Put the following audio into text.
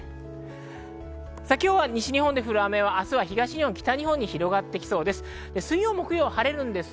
今日、西日本で降る雨は、明日は東日本、北日本に広がってきそうです。